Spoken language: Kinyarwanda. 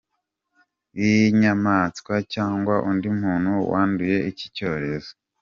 y’inyamaswa cyangwa undi muntu wanduye iki cyorezo.